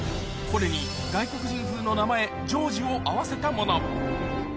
これに外国人風の名前「ジョージ」を合わせたもの